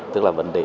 tức là vấn đề